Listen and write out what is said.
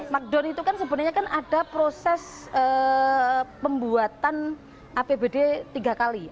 markdon itu kan sebenarnya kan ada proses pembuatan apbd tiga kali